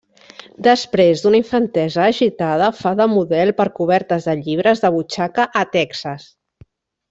Després d'una infantesa agitada, fa de model per cobertes de llibres de butxaca a Texas.